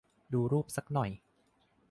ดูรูปสักหน่อย